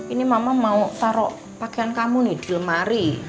ini mama mau taruh pakaian kamu nih di lemari